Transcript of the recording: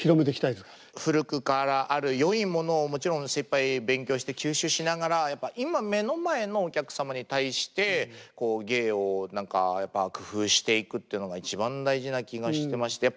古くからあるよいものをもちろん精いっぱい勉強して吸収しながら今目の前のお客様に対して芸を何か工夫していくっていうのが一番大事な気がしてまして。